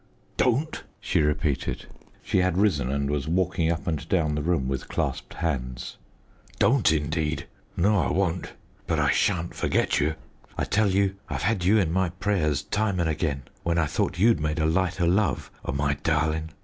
"Don't?" she repeated. She had risen and was walking up and down the room with clasped hands "don't, indeed! No, I won't; but I shan't forget you! I tell you I've had you in my prayers time and again, when I thought you'd made a light o' love o' my darling.